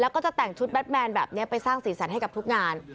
แล้วก็จะแต่งชุดแบทแมนแบบนี้ไปสร้างสีสันให้กับทุกงาน